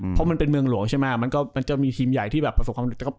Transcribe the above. เพราะมันเป็นเมืองหลวงใช่ไหมมันก็มันจะมีทีมใหญ่ที่แบบประสบความ